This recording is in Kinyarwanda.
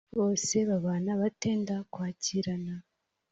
Bose babana batenda kwakirana